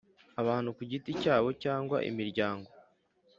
Abantu ku giti cyabo cyangwa imiryango